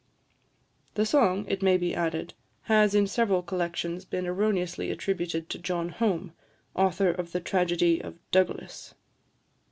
The song, it may be added, has in several collections been erroneously attributed to John Home, author of the tragedy of "Douglas."